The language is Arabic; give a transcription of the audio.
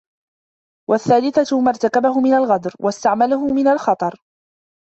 وَالثَّالِثَةُ مَا ارْتَكَبَهُ مِنْ الْغَدْرِ ، وَاسْتَعْمَلَهُ مِنْ الْخَطَرِ